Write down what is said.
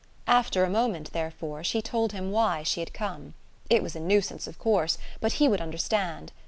After a moment, therefore, she told him why she had come; it was a nuisance, of course, but he would understand.